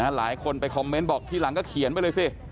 หลายคนไปคอมเมนต์บอกทีหลังก็เขียนไปเลยสิ